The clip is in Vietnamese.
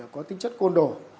có tính chất côn đổ